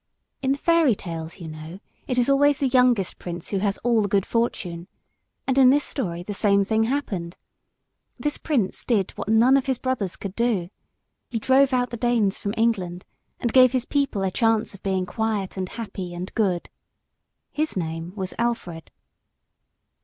In the fairy tales, you know, it is always the youngest prince who has all the good fortune, and in this story the same thing happened. This prince did what none of his brothers could do. He drove out the Danes from England, and gave his people a chance of being quiet and happy and good. His name was Alfred.